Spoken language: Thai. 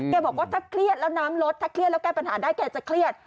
บอกว่าถ้าเครียดแล้วน้ำลดถ้าเครียดแล้วแก้ปัญหาได้แกจะเครียด